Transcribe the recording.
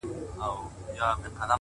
لا لرګي پر کوناټو پر اوږو خورمه؛